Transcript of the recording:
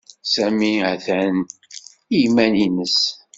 Sami a-t-an i yiman-nnes.